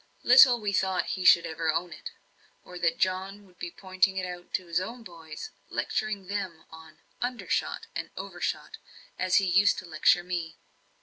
Little we thought he should ever own it, or that John would be pointing it out to his own boys, lecturing them on "undershot," and "overshot," as he used to lecture me.